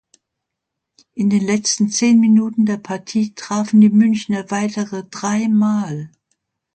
In den letzten zehn Minuten der Partie trafen die Münchner weitere drei Mal.